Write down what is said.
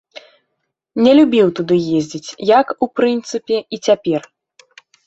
Не любіў туды ездзіць, як, у прынцыпе, і цяпер.